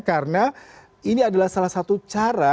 karena ini adalah salah satu cara